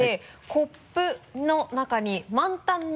コップの中に満タンに。